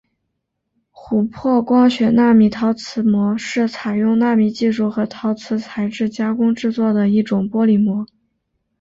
琥珀光学纳米陶瓷膜是采用纳米技术和陶瓷材质加工制作的一种玻璃膜。